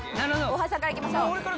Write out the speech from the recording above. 大橋さんからいきましょう。